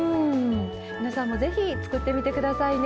皆さんも是非作ってみて下さいね。